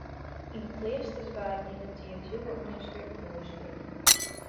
Yn 'e kleasters waarden yndertiid hiel wat manuskripten oerskreaun.